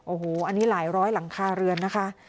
โอ้โหอันนี้หลายร้อยหลังคาเรือนนะคะ